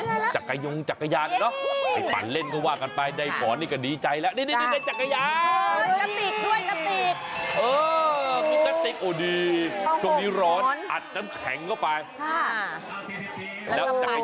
มอไซค์๕คันไม่เห็นเลยเขาขยับออกไปแล้วค่ะเขาแค่จอดขวางข้างไปเฉย